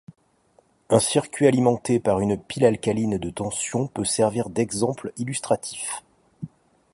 Un circuit alimenté par une pile alcaline de tension peut servir d'exemple illustratif.